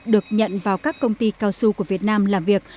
được nhận vào các công ty cao su của việt nam làm việc